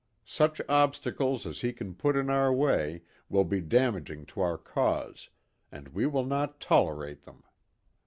Such obstacles as he can put in our way will be damaging to our cause, and we will not tolerate them.